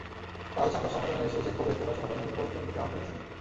কাল সংবাদ সম্মেলনে এসে সেই ক্ষোভের প্রকাশও ঘটালেন কোচ চন্ডিকা হাথুরুসিংহে।